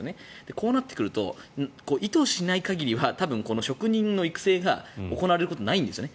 こうなってくると意図しない限りは職人の育成が行われることがないんですよね。